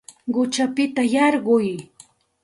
Quchapita yarquy